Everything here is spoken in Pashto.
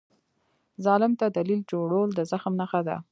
ظالم ته دلیل جوړول د زخم نښه ده.